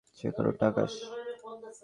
শেখর, ওটা আকাশ!